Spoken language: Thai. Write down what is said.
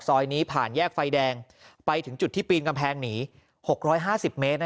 ซอยนี้ผ่านแยกไฟแดงไปถึงจุดที่ปีนกำแพงหนี๖๕๐เมตร